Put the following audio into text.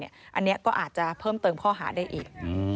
อันนี้ก็อาจจะเพิ่มเติมข้อหาได้อีก